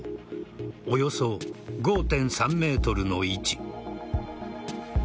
およそ５．３ｍの位置。